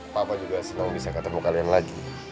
papa juga senang bisa ketemu kalian lagi